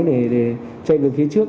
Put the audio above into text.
để chạy về phía trước